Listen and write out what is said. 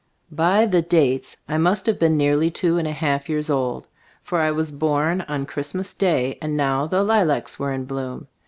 By the dates I must have been nearly two and a half years old, for I was born on Christmas day, and now the lilacs were in bloom.